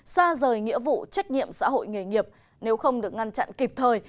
xa rời nghĩa vụ trách nhiệm xã hội nghề nghiệp nếu không được ngăn chặn kịp thời